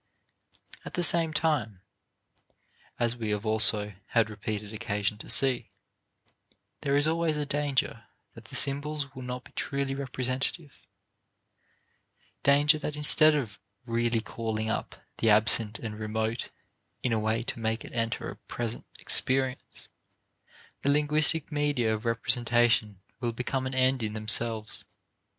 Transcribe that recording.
At the same time (as we have also had repeated occasion to see) there is always a danger that symbols will not be truly representative; danger that instead of really calling up the absent and remote in a way to make it enter a present experience, the linguistic media of representation will become an end in themselves.